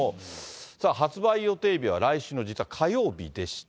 さあ、発売予定日は来週の実は火曜日でした。